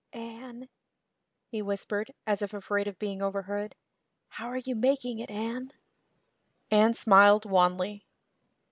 "Anne," he whispered, as if afraid of being overheard, "how are you making it, Anne?" Anne smiled wanly.